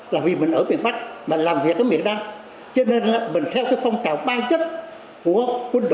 là vì mình ở miền bắc mà làm việc ở miền nam cho nên là mình theo cái phong trào ban chất của quân